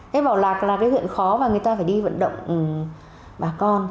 thế bảo là cái huyện khó và người ta phải đi vận động bà con